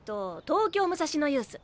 東京武蔵野ユース。